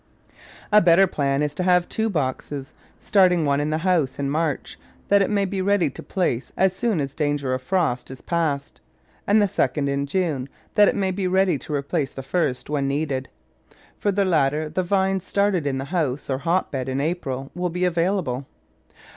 . A better plan is to have two boxes; starting one in the house in March, that it may be ready to place as soon as danger of frost is past; and the second in June, that it may be ready to replace the first when needed. For the latter the vines started in the house, or hotbed, in April will be available.